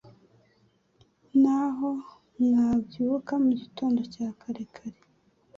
N’aho mwabyuka mu gitondo cya kare kare